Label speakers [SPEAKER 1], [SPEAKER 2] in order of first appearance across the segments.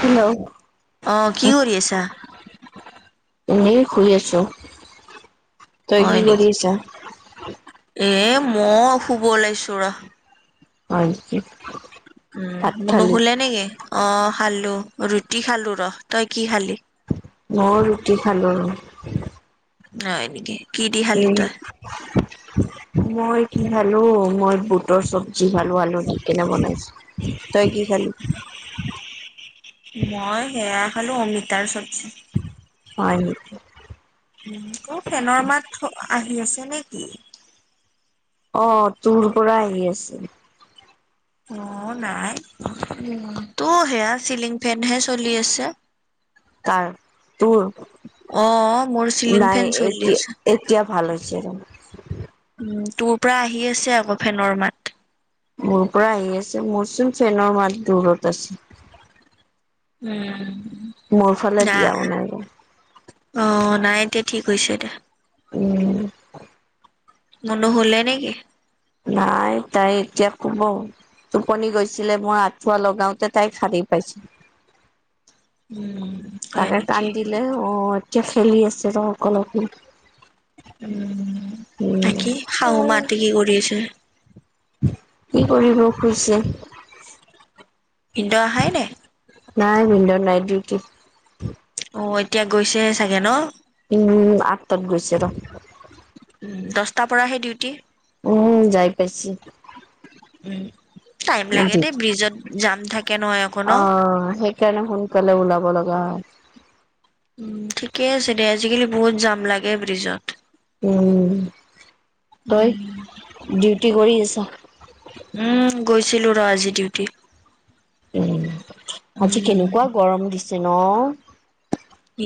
[SPEAKER 1] Hello
[SPEAKER 2] অ কি কৰি আছা
[SPEAKER 1] এনেই শুই আছো, তই কি
[SPEAKER 2] হয়
[SPEAKER 1] কৰি
[SPEAKER 2] নেকি
[SPEAKER 1] আছা
[SPEAKER 2] এ মই শুব ওলাইছো ৰহ
[SPEAKER 1] হয় নেকি
[SPEAKER 2] উম
[SPEAKER 1] ভাত
[SPEAKER 2] মুনু
[SPEAKER 1] খালি
[SPEAKER 2] শুলে নেকি, অ খালো ৰুটি খালো ৰহ, তই কি খালি?
[SPEAKER 1] মই ৰুটি খালোঁ।
[SPEAKER 2] হয় নেকি? কি দি খালি
[SPEAKER 1] উম
[SPEAKER 2] তই
[SPEAKER 1] মই কি খালো মই বুটৰ চব জি, আলু দি কেনে বনাইছো, তই কি খালি?
[SPEAKER 2] মই হেইয়া খালো, অমিতাৰ চত
[SPEAKER 1] হয় নেকি?
[SPEAKER 2] উম তোৰ ফেনৰ মাত আহি আছে নেকি?
[SPEAKER 1] অ' তোৰ পৰা আহি আছে।
[SPEAKER 2] অ' নাই উম, তো সেয়া চিলিং ফেনহে চলি আছে।
[SPEAKER 1] কাৰ তোৰ?
[SPEAKER 2] অ মোৰ চিলিং ফেন
[SPEAKER 1] নাই
[SPEAKER 2] চলি আছে
[SPEAKER 1] এতিয়া- এতিয়া ভাল হৈছে
[SPEAKER 2] উম, তোৰ পৰা আহি আছে আকৌ ফেনৰ মাত।
[SPEAKER 1] মোৰ পৰা আহি আছে, মোৰচোন ফেনৰ মাত দূৰত আছে।
[SPEAKER 2] উম,
[SPEAKER 1] মোৰ ফালে
[SPEAKER 2] না
[SPEAKER 1] দিয়াও নাই
[SPEAKER 2] না অ' নাই। এতিয়া ঠিক হৈছে দে।
[SPEAKER 1] উম।
[SPEAKER 2] মুনু শুলে নে নেকি?
[SPEAKER 1] নাই তাই এতিয়া শুব। টোপনি গৈছিলে, মই আঁঠুৱা লগাওতে তাই সাৰে পাইছে।
[SPEAKER 2] উম, হয়
[SPEAKER 1] তাকে
[SPEAKER 2] নেকি?
[SPEAKER 1] কান্দিলে অ এতিয়া খেলি আছে ৰ অকলে- অকলে।
[SPEAKER 2] উম, তাকেই শাহু মাহঁতে কি কৰি আছে?
[SPEAKER 1] কি কৰিব শুইছে।
[SPEAKER 2] ভিনদেউ আহাই নাই?
[SPEAKER 1] নাই ভিনদেউ নাইট ডিউটি।
[SPEAKER 2] অ এতিয়া গৈছে হে চাগে ন?
[SPEAKER 1] উম আঠ তাত গৈছে ৰহ।
[SPEAKER 2] দহটাৰ পৰাহে ডিউটি।
[SPEAKER 1] উম যাই পাইছি ৷
[SPEAKER 2] উম ৷ টাইম লাগে দে ব্ৰিজত জাম থাকে ন অকয় ন?
[SPEAKER 1] কেন সোনকাল ওলাব লগা হয়৷
[SPEAKER 2] উম ঠিকে আছে দে আজিকালি বহুত জাম লাগে ব্ৰিজত৷
[SPEAKER 1] উম।
[SPEAKER 2] উম,
[SPEAKER 1] তই? ডিউটি কৰি আছা?
[SPEAKER 2] উম, গৈছিলো ৰ আজি ডিউটি৷
[SPEAKER 1] উম৷ আজি
[SPEAKER 2] উম।
[SPEAKER 1] কেনেকুৱা গৰম দিছে ন?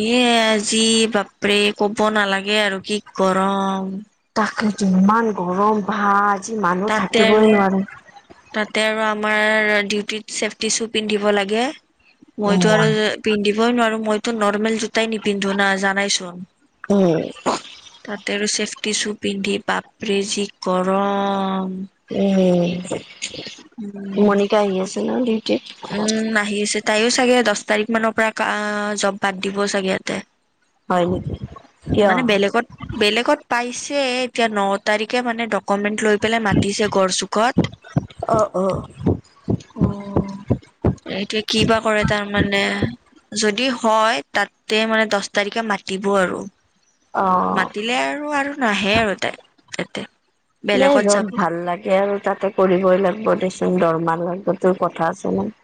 [SPEAKER 2] ইয়ে আজি বাপৰে ক'ব নালাগে আৰু কি গৰম।
[SPEAKER 1] সেটোৱে ইমান গৰম ভা আজি মানুহ
[SPEAKER 2] তাতে আৰু
[SPEAKER 1] থাকিবই নোৱাৰি।
[SPEAKER 2] তাতে আৰু আমাৰ ডিউটিত চেফটি শ্বু পিন্ধিব লাগে।
[SPEAKER 1] উম,
[SPEAKER 2] মইতো আৰু পিন্ধিবই নোৱাৰো মইতো নত নৰ্মেল জোতাই নিপিন্ধো না জনাই চোন৷
[SPEAKER 1] উম,
[SPEAKER 2] তাতে আৰু চে টি শ্বু পিন্ধি বাপৰে যি গৰম।
[SPEAKER 1] উম, মণিকা আহি আছে না? ডি
[SPEAKER 2] উম আহি আছে৷ তাইয়ো চাগে দছ তাৰিখ মানৰ পৰা কা জব বাদ দিব চাগে ইয়াতে ৷
[SPEAKER 1] হয় নেকি? কিয়?
[SPEAKER 2] মানে বেলেগত-বেলেগত, পাইছে এতিয়া ন তাৰিখে মানে ডক্ মেট লৈ পেলাই মাতিছে গড়চুকত৷
[SPEAKER 1] অ', অ',
[SPEAKER 2] অ এইটোয়ে কি বা কৰে তাৰ মানে? যদ দি হয় তাতে মানে দছ তাৰিখে মাতিব আৰু৷
[SPEAKER 1] অ'।
[SPEAKER 2] মাতিলে আৰু আৰু নাহে আৰু তাই৷এতে
[SPEAKER 1] এ যত ভাল লাগে আৰু তাতে কৰিবই লাগিব দেচোন দৰম মাৰ লগতো কথা আছে ন৷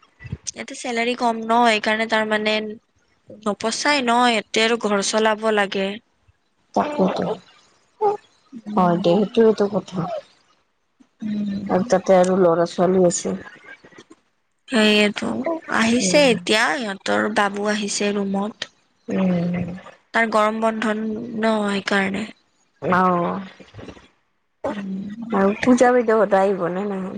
[SPEAKER 2] ইয়াতে চেলাৰি কম ন এইকাৰণে তাৰমানে নপচাই ন? এতে আৰু ঘৰ চলাব লাগে৷
[SPEAKER 1] তাকেটো৷ হয় দে সেইটোৱেটো কথা৷ আৰু তাতে আৰু ল'ৰা ছোৱালী আছে৷
[SPEAKER 2] সেইয়েটো৷ আহিছে
[SPEAKER 1] উম,
[SPEAKER 2] এতিয়া সিহঁতৰ বাবু আহিছে ৰুমত৷
[SPEAKER 1] উম,
[SPEAKER 2] তাৰ গৰম বন্ধ ন? সেই কাৰণে৷
[SPEAKER 1] অ', আৰু পূজা বাইদ হত যাই বনে নাই?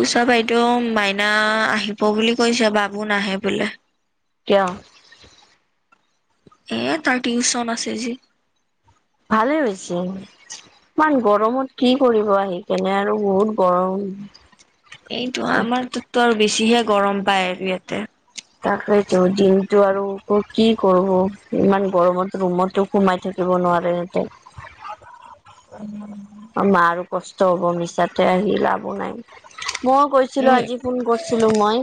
[SPEAKER 2] উছা বাইদেউ, মাইনা আহিব বুলি কৈছে৷ বাবু নাহে বোলে৷
[SPEAKER 1] কিয়?
[SPEAKER 2] এ তাৰ টিউচন আছে যি৷
[SPEAKER 1] ভালে হৈছে৷ইমান গৰমত কি কৰিব আহি৷ কেনে আৰু বহুত গৰম উ
[SPEAKER 2] এইটো আমাৰ তাততো আৰু বেছিহে গৰম পায় আৰু ইয়াতে৷
[SPEAKER 1] তাকেইতো দিনটো আৰু কি কৰবো ইমান গৰমত ৰুমতো সোমাই থাকিব। থাকিব নোৱাৰে এতে।
[SPEAKER 2] উম,
[SPEAKER 1] অ' মাৰো কষ্ট হব মিছাতে আহি লাভো নাই৷ মই কৈছিলো
[SPEAKER 2] উম
[SPEAKER 1] আজি ফোন কৰিছিলো মই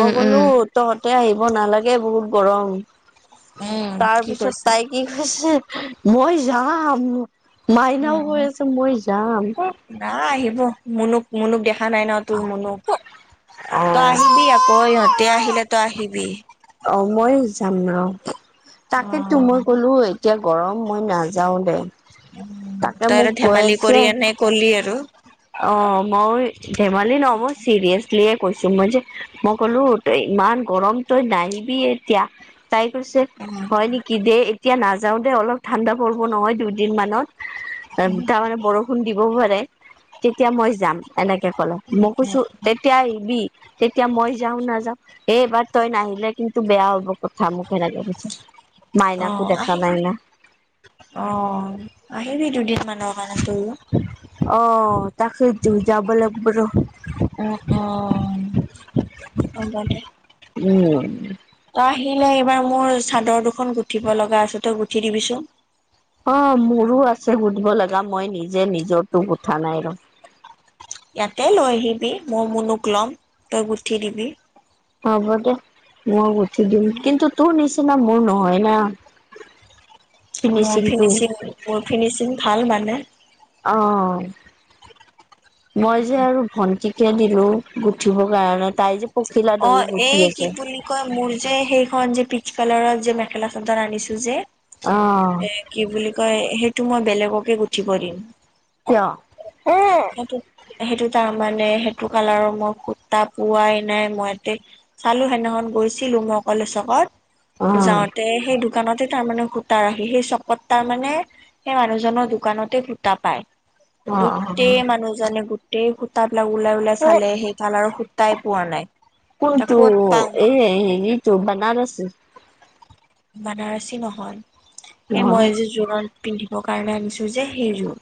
[SPEAKER 1] মই ক'লো
[SPEAKER 2] উম
[SPEAKER 1] তহঁতে আহিব হব নালাগে বহুত গৰম
[SPEAKER 2] উম
[SPEAKER 1] তাৰ
[SPEAKER 2] কি
[SPEAKER 1] পিছত
[SPEAKER 2] কৈছে
[SPEAKER 1] তাই কি কৈছে? মই যাম৷ মাইনাও গৈ
[SPEAKER 2] উম
[SPEAKER 1] আছে মই যাম৷
[SPEAKER 2] নাই আহিব৷ মুনুক-মুনুক দেখা নাই ন তোৰ মুনুক৷তই আহিবি আকৌ ইহঁত আহিলে তই আহিবি৷
[SPEAKER 1] অ মই যাম
[SPEAKER 2] অ
[SPEAKER 1] ন৷তাকে তো মই কলো এতিয়া গৰম মই নাযাও দে৷ তাকে
[SPEAKER 2] তই
[SPEAKER 1] মোক
[SPEAKER 2] আৰু
[SPEAKER 1] কৈ
[SPEAKER 2] ধেমালি
[SPEAKER 1] আছে।
[SPEAKER 2] কৰি এনে কলি আৰু অ
[SPEAKER 1] অ মই ধেমালি ন মই চিৰিয়াচলিয়ে কৈছো মই যে মই ক'লো তই ইমান গৰম তই নাহিবি এতিয়া তটাই কৈছে হয় নেকি দেেই এতিয়া নাযাও দে অলপ ঠাণ্ডা পৰিব নহয় দুদিন মানত তাৰমানানে বৰষুণ দিবও পাৰে তেতিয়া মই যাম এনেকে ক মই কোছো তেতিয়া আহিবি। তেতিয়া মই যাও নাযাও এই এইবাৰ তই নাহিলে কিন্তু বেয়া হ'ব। কথা মোকে লাগে পৈছে
[SPEAKER 2] অ
[SPEAKER 1] মাইনাকো দেখা
[SPEAKER 2] আহিবি
[SPEAKER 1] নাইনা।
[SPEAKER 2] অ আহিবি দুদিন মানৰ কাৰান ত
[SPEAKER 1] অ' তাকেইতো যাব লাগিব ৰ
[SPEAKER 2] অ-অ, হব দে।
[SPEAKER 1] উম
[SPEAKER 2] তই আহিলে এইবাৰ মোৰ চাদৰ দুখন গুঠিব লগা আছে তই গুঠি দিবিচোন।
[SPEAKER 1] অ মোৰো আছে সুধিব লগা মই নিজে নিজৰ তো গোঠা নাই ৰ।
[SPEAKER 2] ইয়াতে লৈ আহিবি মোৰ মনক লম তই গুঠি দিবি।
[SPEAKER 1] হ'ব দে মই উঠি দিম কিন্তু তোৰ নিচিনা। মোৰ নহয় না।
[SPEAKER 2] মোৰ
[SPEAKER 1] ফিনিচিংটো
[SPEAKER 2] ফিনিচিং মোৰ ফিনিচিং ভাল মানে
[SPEAKER 1] অ মই যে আৰু ভন্টিক পঠিয়াই দিলো গুঠিবৰ কাৰণে তাই যে পখিলা
[SPEAKER 2] অ
[SPEAKER 1] দহি গুঠি
[SPEAKER 2] এই কি
[SPEAKER 1] আছে
[SPEAKER 2] বুলি কয় মোৰ যে সেইখন যে পিছ কালত যে মেখেলা চাদত আনিছো যে
[SPEAKER 1] অ
[SPEAKER 2] এ কি বুলি কয় সেই টো মই বেলেগকে গুঠিব দিম
[SPEAKER 1] কিয়
[SPEAKER 2] সেইটো সেইটো তাৰ মানে সেইটো কালাৰৰ মই সুতা পোৱাই নাই মই ইয়াতে চালো সেইদিনাখন গৈছিলো মই কলেচকত যাওঁতে সেই দোকানতে তাৰমানে সুত সুতা ৰাখি সেই চকত তাৰ মানে সেই মানুহজনৰ দোকানতে সুতা পায়
[SPEAKER 1] অ
[SPEAKER 2] গোতেই মানুহজনে গোটেই সুতা বিলাক ওলাই ওলাই
[SPEAKER 1] অ
[SPEAKER 2] চালে সেই কালাৰৰ সুতাই পোৱা নাই ত
[SPEAKER 1] কোনতো
[SPEAKER 2] ক'ত পাওঁ
[SPEAKER 1] এই তো বনাৰস
[SPEAKER 2] বানাৰসী নহয়
[SPEAKER 1] অ
[SPEAKER 2] এই মই যে জোৰণ পিন্ধি বৰ কাৰণে আনিছো যে সেইযোৰ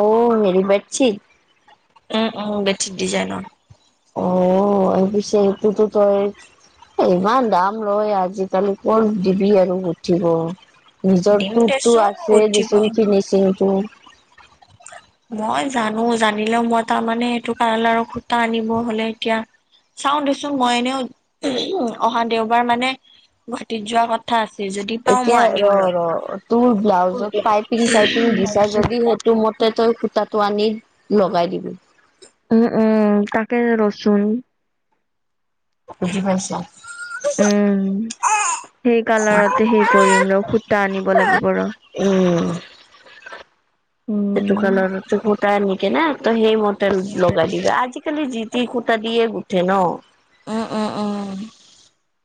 [SPEAKER 1] অঔ হেৰি বেত চিত
[SPEAKER 2] উম উম বেছিক ডিজাইনৰ
[SPEAKER 1] অ এই পিছে সেইটোতো তই ইমান দাম লয় আজিকালি কত দিবি আৰু উঠিব, নিজৰ
[SPEAKER 2] দিম
[SPEAKER 1] টো
[SPEAKER 2] দেচোন
[SPEAKER 1] আছে
[SPEAKER 2] গুঠিব
[SPEAKER 1] দিচোন ফিনিচিংটো,
[SPEAKER 2] মই জানো জানিলেও মই তাৰমানে এইটো কালাৰ আৰু সুটা আনিব হলে এতিয়া। চাও দেচোন মই এনেও অহা দেওবাৰ মানে ঘাটিত যোৱা কথা আছে, যদি পাওঁ মই
[SPEAKER 1] এতিয়া
[SPEAKER 2] আনিম
[SPEAKER 1] ৰ ৰ, তোৰ
[SPEAKER 2] উম
[SPEAKER 1] ব্লাউজত পাইপিং চাইপিং দিছা যদি সেইটো মতে তই সুতাটো, আনী লগাই দিবি,
[SPEAKER 2] উম উম তাকে ৰচোন।
[SPEAKER 1] বুজি পাইছা,
[SPEAKER 2] উম সেই কালাৰতে সেই কৰিম ৰ সুতা আনিব লাগিব ৰ,
[SPEAKER 1] উম
[SPEAKER 2] উম
[SPEAKER 1] সেইটোকালাৰ সুতা আনি কেনে তই সেই মতে লগাই দিবি আজিকালি যি, টি সুতা দিয়ে গুঠে ন।
[SPEAKER 2] অ অ অ,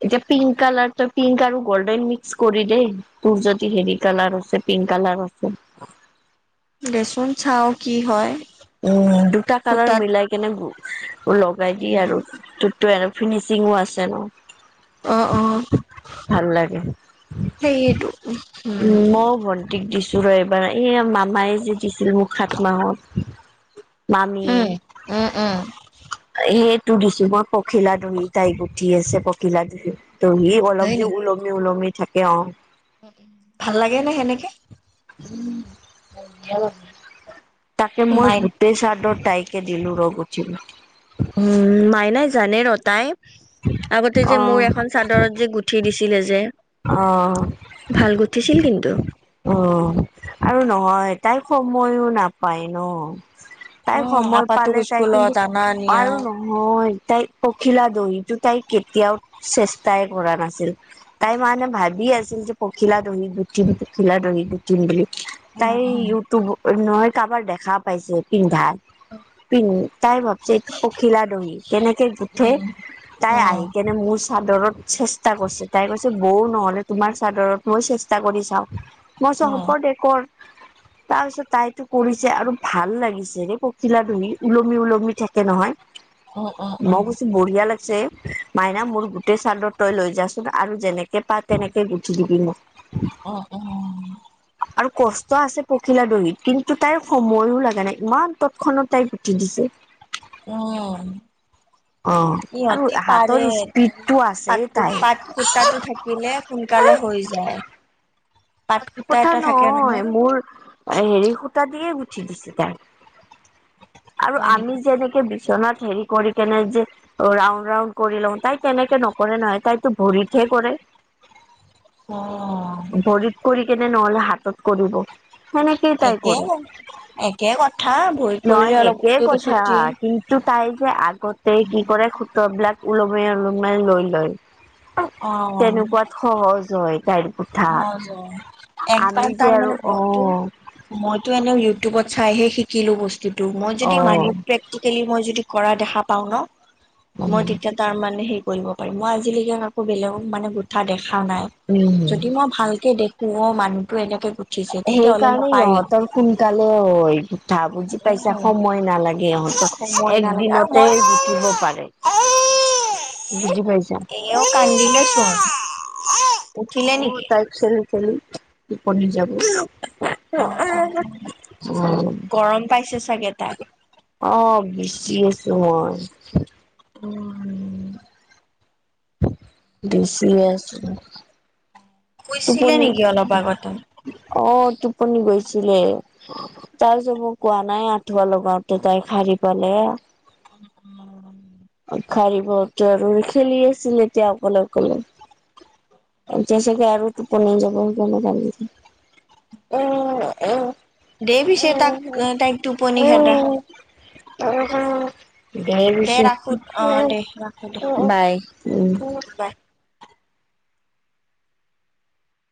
[SPEAKER 1] এতিয়া পিংক কালাৰ তই পিংক আৰু গল্ডেন মিক্স কৰি দেই তোৰ যদি হেৰি কালাৰ আছে পিংক কালাৰ, [unintelligible]
[SPEAKER 2] দেচোন চাও কি হয়।
[SPEAKER 1] উম দুটা কালাৰ
[SPEAKER 2] খুটাত
[SPEAKER 1] মিলাই কেনে লগাই দিয়ে আৰু ততো, ফিনিচিং আছে ন,
[SPEAKER 2] অ অ
[SPEAKER 1] ভাল
[SPEAKER 2] সেইটো উ
[SPEAKER 1] উ মই ভণ্টি, দিছো ৰ এইবাৰ এই মামাই যে দিছিল মোক সাত মাহত, মামি, সেইটো দিছো মই পখিলা দুইি তাই গুঠি আছে পখিলা দইি তহি অলপ যে ওলমি ওলমি থাকে অ
[SPEAKER 2] ভাল লাগে নে সেনেকে
[SPEAKER 1] তাকে
[SPEAKER 2] মাই
[SPEAKER 1] মই গোটেই চাৰ্ডত তাইকে দিলোঁ ৰ গ উঠিলোঁ
[SPEAKER 2] উম মাইনাই জানে ৰ তাই আগতে যে
[SPEAKER 1] অ
[SPEAKER 2] মোৰ এখন চাদৰত যে গুঠি দিছিলে যে
[SPEAKER 1] অ
[SPEAKER 2] ভাল গুঠিছিল কিন্তু,
[SPEAKER 1] অ আৰু নহয় তাই সময়ো নাপায় ন? তাই
[SPEAKER 2] উম
[SPEAKER 1] সময়
[SPEAKER 2] আপাতো
[SPEAKER 1] পালে তাই কিন্তু
[SPEAKER 2] স্কুলত আনা নিয়া
[SPEAKER 1] আৰু নহয় তাই পখিলা দৈ। তাই কেতিয়াও চেষ্টাই কৰা নাছিল তাই মানে ভাবি আছিল যে পখিলা দহি বুদ্ধি খিলা দহি গুঠিম বুলি তাই ইউটিউব নহয় কাৰোবাৰ দেখা পাইছে পিন্ধা। পিন তাই ভাবছে এইটো পখিলা দহি কেনেকে গুঠে
[SPEAKER 2] উম
[SPEAKER 1] তাই
[SPEAKER 2] অ
[SPEAKER 1] আহি কেনে মোৰ চাদৰত চেষ্টা কৰিছে তাই কৈছে বৌ নহ'লে তোমাৰ চাদৰত মই চেষ্টা কৰি চাওঁ। মই চ
[SPEAKER 2] অ
[SPEAKER 1] হ'ব দে কৰ তাৰ পিছত তাইতো কৰিছে আৰু ভাল লাগিছে ৰে পখিলা ধহি ওলমি-ওলমি থাকে নহয়।
[SPEAKER 2] অ'- অ'- অ'।
[SPEAKER 1] যে মাইনা মোৰ গোটেই চাদৰ তই লৈ যাচোন আৰু যেনেকে পা তেনেকে গুঠি দিবি মোক।
[SPEAKER 2] অ'- অ'।
[SPEAKER 1] আৰু কষ্ট আছে পখিলা দহিত কিন্তু তাইৰ সময়ো লগা নাই ইমান তৎক্ষণত তাই গুঠি দিছে।
[SPEAKER 2] উম।
[SPEAKER 1] অ আৰু
[SPEAKER 2] ইহতি পাৰে
[SPEAKER 1] হাতৰ
[SPEAKER 2] তানে
[SPEAKER 1] স্পীডটো আছে
[SPEAKER 2] পাত-
[SPEAKER 1] তাইৰ
[SPEAKER 2] পাত সুতাটো থাকিলে সোনকালে হৈ যায়। পাট
[SPEAKER 1] পাত
[SPEAKER 2] কুৰ্তা
[SPEAKER 1] সুতা
[SPEAKER 2] এটা থাকে
[SPEAKER 1] নহয় মোৰ হেৰি সূতা দিয়ে গুঠি দিছে তাই। আৰু
[SPEAKER 2] হয়
[SPEAKER 1] আমি
[SPEAKER 2] নেকি
[SPEAKER 1] যে এনেকে ছনাত হেৰি কৰি কেনে যে ৰাউড ৰাউড কৰি লওঁ তাই কেনেকে নকৰে নহয় তাইতো ভৰিতহে কৰে। ভৰিত
[SPEAKER 2] অ'।
[SPEAKER 1] কৰি কেনে নহ'লে হাতত কৰিব মানে কেই তাই
[SPEAKER 2] একে
[SPEAKER 1] কৰে।
[SPEAKER 2] একে কথা ভৰিত
[SPEAKER 1] নহয়
[SPEAKER 2] পৰিলে অলপ
[SPEAKER 1] একেই
[SPEAKER 2] বস্তুটো
[SPEAKER 1] কথা
[SPEAKER 2] চুটি
[SPEAKER 1] কিন্তু তাই যে আগতে কি কৰে সুত্ৰবিলাক ওলমাই- ওলমাই লৈ লয়।
[SPEAKER 2] অ',
[SPEAKER 1] তেনেকুৱাত সহজ হয় গাড়ী পঠাত।
[SPEAKER 2] সহজ অ', একবাৰ তাৰ মানে মইতো-মইতো এনেও ইউটিউবত চাইহে শিকিলো বস্তুটো মই যদি মানুহক
[SPEAKER 1] অ
[SPEAKER 2] প্ৰেক্টিকেলি মই যদি কৰা দেখা পাওঁ ন মই তেতিয়া তাৰ মানে হেৰি কৰিব পাৰিম মই আজিলৈকে কাকো বেলেগক মানে গোঠা দেখা দেখা নাই
[SPEAKER 1] উম
[SPEAKER 2] যদি মই ভালকে দেখো অ' মানুহটো এনেকে গুঠিছে
[SPEAKER 1] সেই
[SPEAKER 2] তেতিয়াহ'লে মই
[SPEAKER 1] কাৰণে
[SPEAKER 2] পাৰিম
[SPEAKER 1] ইহঁতৰ সোনকালে হয় গুঠা বুজি পাইছা
[SPEAKER 2] উম,
[SPEAKER 1] সময় নালাগে।
[SPEAKER 2] সময় নালাগে আৰু
[SPEAKER 1] একদিনতে
[SPEAKER 2] মই
[SPEAKER 1] গুঠিব পাৰে। পাইছা
[SPEAKER 2] এইও কান্দিলে চোন। উঠিলে
[SPEAKER 1] অ'
[SPEAKER 2] নেকি
[SPEAKER 1] তাই চেলি খেলি টোপনি যাব।
[SPEAKER 2] অ', গৰম পাইছে চাগে তাই।
[SPEAKER 1] অ', বিচি আছোঁ মই।
[SPEAKER 2] উম।
[SPEAKER 1] বিছিয়ে আছোঁ।
[SPEAKER 2] শুইছিলে
[SPEAKER 1] টোপনি
[SPEAKER 2] নেকি অলপ আগতে?
[SPEAKER 1] অ' টোপ পনি গৈছিলে তাই যে মোক কোৱা নাই আঠুৱা লগাওতে তাই শাৰ পালে।
[SPEAKER 2] [inaudible]
[SPEAKER 1] [unintelligible] আৰু খেলি আছিল এতিয়া অকলে-অকলে। এতিয়া ছাগে আৰু টোপনি যাব সেইকাৰণে কান্দিছে। অ'- অ'।
[SPEAKER 2] দে পিছে তাক
[SPEAKER 1] উম-
[SPEAKER 2] তাইক টোপনি খেদা
[SPEAKER 1] উম।
[SPEAKER 2] দে
[SPEAKER 1] [unintelligible]
[SPEAKER 2] ৰাখো অ দে ৰাখো দে
[SPEAKER 1] বাই, উম।
[SPEAKER 2] বাই।